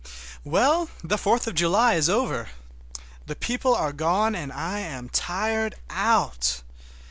Well, the Fourth of July is over! The people are gone and I am tired out.